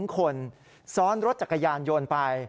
๒คนซ้อนรถจักรยานยนต์ไป